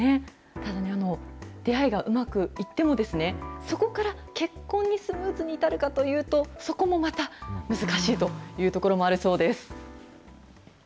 ただね、出会いがうまくいってもですね、そこから結婚にスムーズに至るかというと、そこもまた難しいというところもあるそうです。